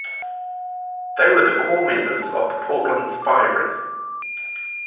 They were the core members of the Portland Spy Ring.